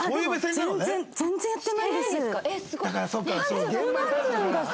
でも全然全然やってないです。